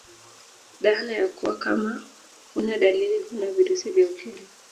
Dhana ya kuwa Kama huna dalili huna virusi vya ukimwi